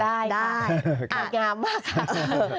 ได้ค่ะอาจงามมากค่ะ